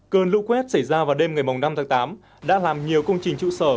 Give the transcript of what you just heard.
cần lựu quét xảy ra vào đêm ngày năm tháng tám đã làm nhiều công trình trụ sở